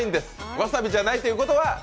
わさびじゃないってことは？